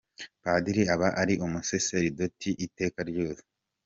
Padiri aba ari umusaseridoti iteka ryose.